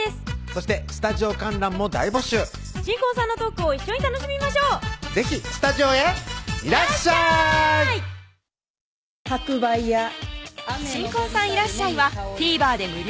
そしてスタジオ観覧も大募集新婚さんのトークを一緒に楽しみましょう是非スタジオへいらっしゃい新婚さんいらっしゃい！はＴＶｅｒ